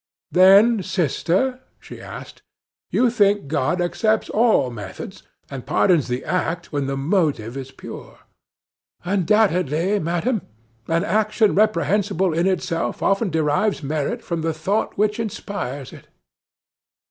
"Then, sister," she asked, "you think God accepts all methods, and pardons the act when the motive is pure?" "Undoubtedly, madame. An action reprehensible in itself often derives merit from the thought which inspires it."